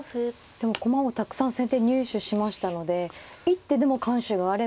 でも駒をたくさん先手入手しましたので一手でも緩手があれば。